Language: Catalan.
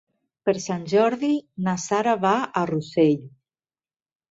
Per Sant Jordi na Sara va a Rossell.